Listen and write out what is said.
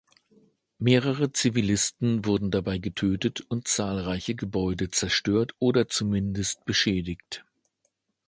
Mehrere Zivilisten wurden dabei getötet und zahlreiche Gebäude zerstört oder zumindest beschädigt.